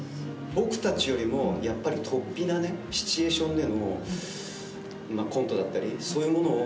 僕たちよりもやっぱりとっぴなねシチュエーションでのコントだったりそういうものを何本もやってるわけじゃないですか。